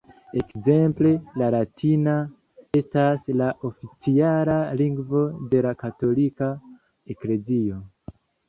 Ekzemple la latina estas la oficiala lingvo de la katolika eklezio.